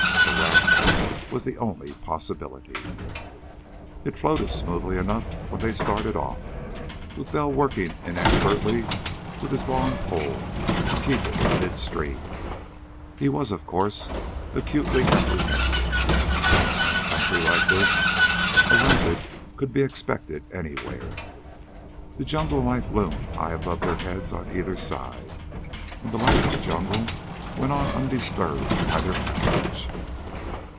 The raft was the only possibility. It floated smoothly enough when they started off, with Bell working inexpertly with his long pole to keep it in mid stream. He was, of course, acutely apprehensive. In country like this a rapid could be expected anywhere. The jungle life loomed high above their heads on either side, and the life of the jungle went on undisturbed by their passage.